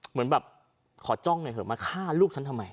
เหมือนแบบขอจ้องหน่อยเถอะมาฆ่าลูกฉันทำไม